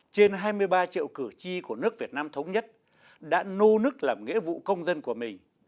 trên hai mươi ba triệu cử tri của nước việt nam thống nhất đã nô nức làm nghĩa vụ công dân của mình